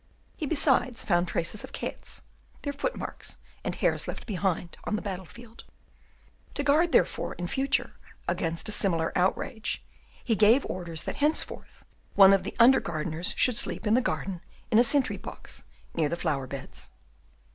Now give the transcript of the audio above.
He besides found traces of the cats, their footmarks and hairs left behind on the battle field; to guard, therefore, in future against a similar outrage, he gave orders that henceforth one of the under gardeners should sleep in the garden in a sentry box near the flower beds.